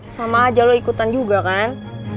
sama aja lo ikutan juga kan